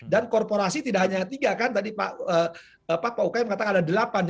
dan korporasi tidak hanya tiga kan tadi pak pak ukayo mengatakan ada delapan